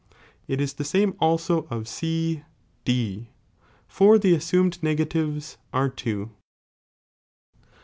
It is the same olso of C D, for the as sumed negatives are two.